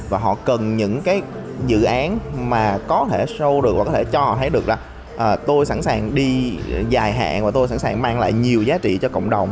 và họ cần những cái dự án mà có thể sâu được và có thể cho họ thấy được ra tôi sẵn sàng đi dài hạn và tôi sẵn sàng mang lại nhiều giá trị cho cộng đồng